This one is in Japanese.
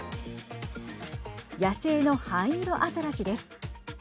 野生のハイイロアザラシです。